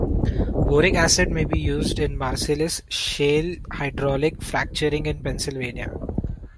Boric acid may be used in Marcellus Shale hydraulic fracturing in Pennsylvania.